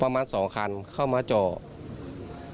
ประมาณสองครั้งเข้ามากัน